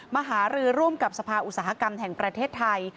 มหารือร่วมกับสภาอุตสาหกรรมแห่งประเทศไทย